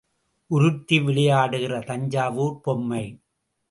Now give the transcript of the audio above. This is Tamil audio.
உருட்டி விளையாடுகிற தஞ்சாவூர்ப் பொம்மை.